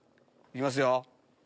行きますよ。